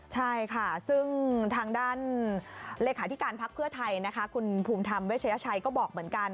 ใช่ค่ะซึ่งทางด้านเลขาธิการพักเพื่อไทยนะคะคุณภูมิธรรมเวชยชัยก็บอกเหมือนกัน